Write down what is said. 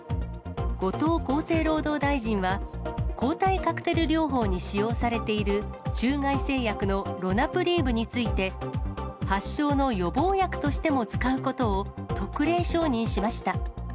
後藤厚生労働大臣は、抗体カクテル療法に使用されている、中外製薬のロナプリーブについて、発症の予防薬としても使うことを特例承認しました。